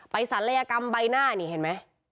ศัลยกรรมใบหน้านี่เห็นไหม